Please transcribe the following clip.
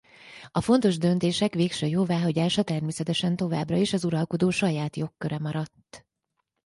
A fontos döntések végső jóváhagyása természetesen továbbra is az uralkodó saját jogköre maradt.